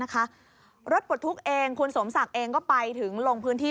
อย่างคุณสมศักดิ์เองก็ไปถึงลงพื้นที่